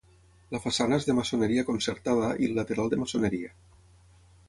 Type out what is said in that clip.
La façana és de maçoneria concertada i el lateral de maçoneria.